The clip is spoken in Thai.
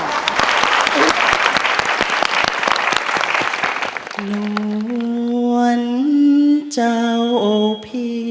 หวานเจ้าพี่เอ๋ย